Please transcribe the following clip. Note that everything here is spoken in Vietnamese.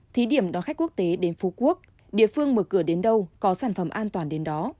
thí điểm đón khách quốc tế đến phú quốc địa phương mở cửa đến đâu có sản phẩm an toàn đến đó